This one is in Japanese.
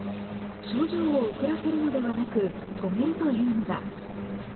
症状を遅らせるのではなく、止めるというのだ。